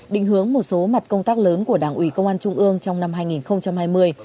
định hướng một số mặt công tác lớn của đảng ủy công an trung ương trong năm hai nghìn hai mươi